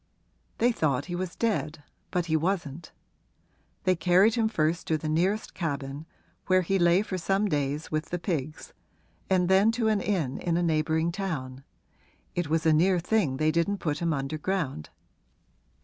They thought he was dead, but he wasn't; they carried him first to the nearest cabin, where he lay for some days with the pigs, and then to an inn in a neighbouring town it was a near thing they didn't put him under ground.